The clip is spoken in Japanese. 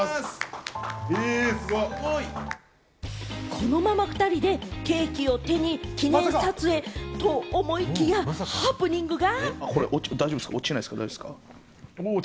このまま２人でケーキを手に記念撮影と思いきや、ハプニングが。